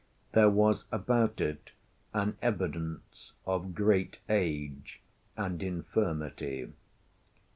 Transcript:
There was about it an evidence of great age and infirmity.